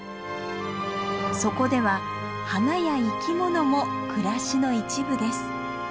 そこでは花や生き物も暮らしの一部です。